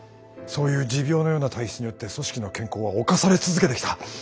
そういう持病のような体質によって組織の健康は侵され続けてきた。